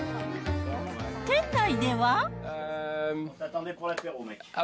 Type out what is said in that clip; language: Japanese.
店内では。